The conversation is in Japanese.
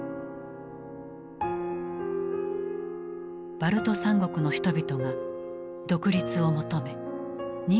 バルト三国の人々が独立を求め「人間の鎖」を作った。